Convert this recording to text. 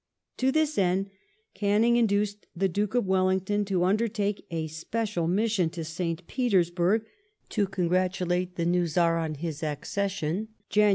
^ To this end Canning induced the Duke of Wellington to under Protocol take a special mission to St. Petei sburg to congratulate the new of St. Czar on his accession (Jan.